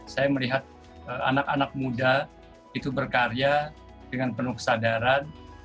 saya melihat anak anak muda itu berkarya dengan penuh kesadaran